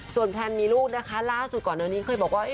ส่วนแพลนมีลูกนะคะล่าสุดก่อนอันนี้เคยบอกว่า